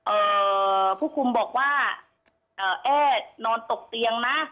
เอ่อผู้คุมบอกว่าเอ่อแอ้นอนตกเตียงนะ